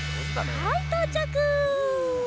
はいとうちゃく！